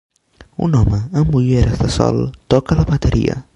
Un home amb ulleres de sol toca la bateria.